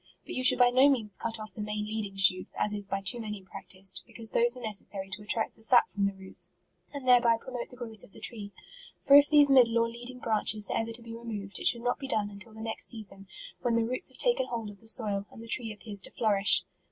But you should by no means cut off the main leading shoots, as is by too many practised, be cause those are necessary to attract the sap from the roots, and thereby promote the growth of the tree ; for if these middle or leading branches are ever to be removed, it should not be done until the next season, when the roots have taken hold of the soil, and the tree appears to flourish.